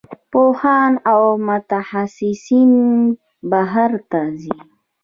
پوهان او متخصصین بهر ته ځي.